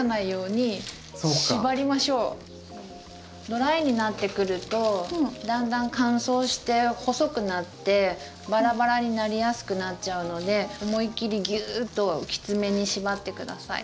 ドライになってくるとだんだん乾燥して細くなってバラバラになりやすくなっちゃうので思いっ切りギューッときつめに縛って下さい。